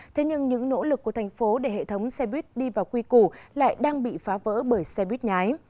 thế nhưng những nỗ lực của thành phố để hệ thống xe buýt đi vào quy củ lại đang bị phá vỡ bởi xe buýt nhái